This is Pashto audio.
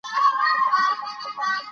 سیاسي نظام د خلکو اراده ښيي